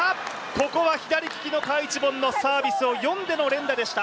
ここは左利きの賈一凡のサービスを読んでの連打でした。